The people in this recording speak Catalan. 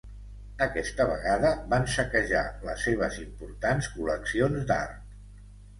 Aquesta vegada van saquejar les seves importants col·leccions d'art.